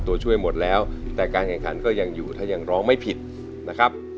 ตัวช่วยหมดแล้วแต่การแข่งขันก็ยังอยู่ถ้ายังร้องไม่ผิดนะครับ